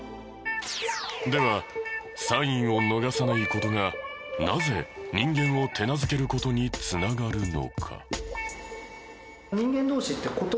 ではサインを逃さない事がなぜ人間を手なずける事に繋がるのか？